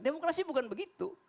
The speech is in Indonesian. demokrasi bukan begitu